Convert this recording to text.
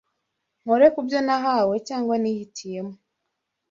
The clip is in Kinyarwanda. Nkore kubyo nahawe cyangwa nihitiyemo